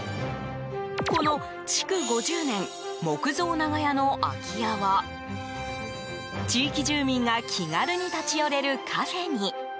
この築５０年木造長屋の空き家は地域住民が気軽に立ち寄れるカフェに。